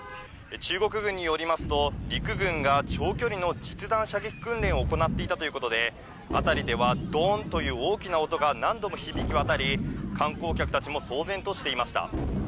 中国軍によりますと、陸軍が長距離の実弾射撃訓練を行っていたということで、辺りではどーんという大きな音が何度も響き渡り、観光客たちも騒然としていました。